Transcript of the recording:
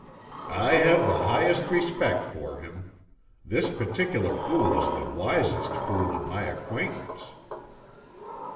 "I have the highest respect for him. This particular fool is the wisest fool in my acquaintance."